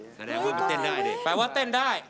นาแดนว่าไปเต้นได้ด้วยเพราะว่าเต้นได้